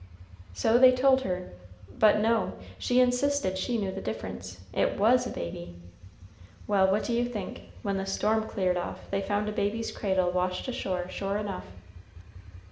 "So they told her; but no, she insisted she knew the difference, it was a baby. Well, what do you think, when the storm cleared off, they found a baby's cradle washed ashore sure enough!"